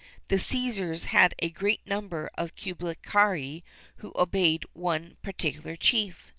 The Cæsars had a great number of cubicularii who obeyed one particular chief.